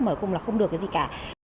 mở cùng là không được cái gì cả